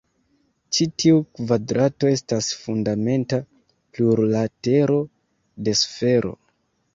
Ĉi tiu kvadrato estas fundamenta plurlatero de sfero.